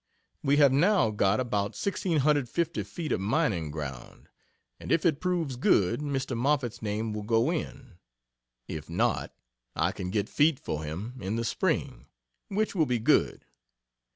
We have now got about 1,650 feet of mining ground and if it proves good, Mr. Moffett's name will go in if not, I can get "feet" for him in the Spring which will be good.